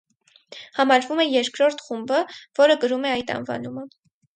Համարվում է երկրորդ խումբը, որը կրում է այդ անվանումը։